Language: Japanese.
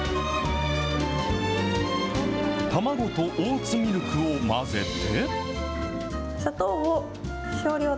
卵とオーツミルクを混ぜて。